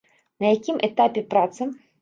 На якім этапе праца?